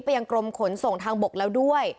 ยังกรมขนส่งทางบกแล้วด้วย